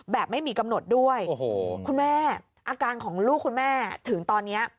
แบบไม่มีกำหนดด้วยโอ้โหคุณแม่อาการของลูกคุณแม่ถึงตอนนี้